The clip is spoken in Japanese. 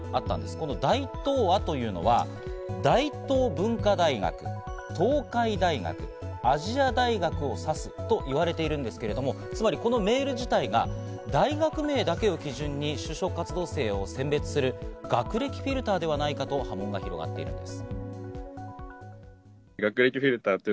この「大東亜」というのは大東文化大学、東海大学、亜細亜大学を指すと言われているんですけれども、つまりこのメール自体が大学名だけを基準に就職活動生を選別する学歴フィルターではないかと波紋が広がっているんです。